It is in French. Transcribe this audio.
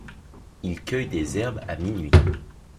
Ils cueillent des herbes à minuit.